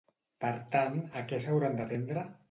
Per tant, a què s'hauran d'atendre?